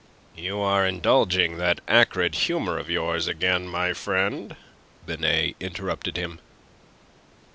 "You are indulging that acrid humour of yours again, my friend," Binet interrupted him.